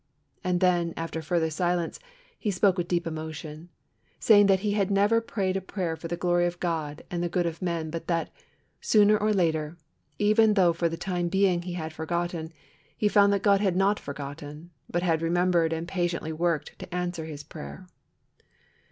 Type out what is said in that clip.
And then, after further silence, he spoke with deep emotion, saying that he had never prayed a prayer for the glory of God and the good of men but that, sooner or later, even though for the time being he had forgotten, he found that God had not forgotten, but had remembered and patiently worked to answer his prayer.